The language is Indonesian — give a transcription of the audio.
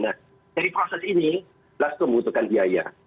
jadi proses ini langsung membutuhkan biaya